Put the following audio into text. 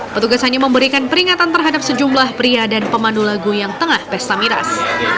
petugas hanya memberikan peringatan terhadap sejumlah pria dan pemandu lagu yang tengah pesta miras